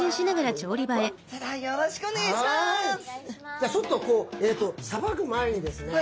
じゃあちょっとさばく前にですね